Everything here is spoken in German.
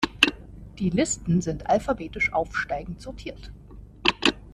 Die Listen sind alphabetisch aufsteigend sortiert.